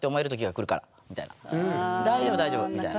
すぐ大丈夫大丈夫みたいな。